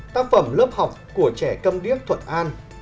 tác phẩm lớp học của trẻ cầm điếc thuận an